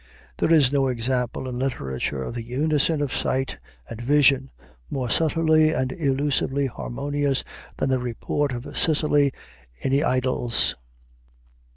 There is no example in literature of the unison of sight and vision more subtly and elusively harmonious than the report of Sicily in the Idylls.